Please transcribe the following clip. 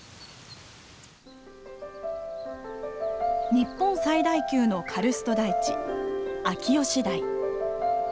日本最大級のカルスト台地秋吉台。